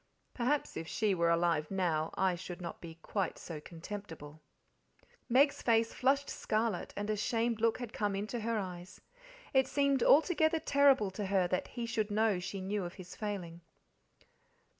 "Perhaps if she were alive now I should not be quite so contemptible." Meg's face flushed scarlet, and a shamed look had come into her eyes. It seemed altogether terrible to her that he should know she knew of his failing.